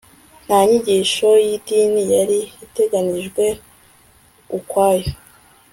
nta nyigisho y'idini yari iteganijwe ukwayo